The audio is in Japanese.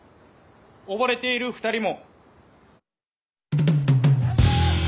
溺れている２人も。